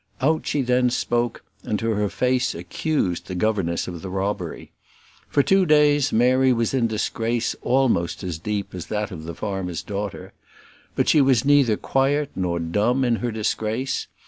Out she then spoke, and to her face accused the governess of the robbery. For two days Mary was in disgrace almost as deep as that of the farmer's daughter. But she was neither quiet nor dumb in her disgrace.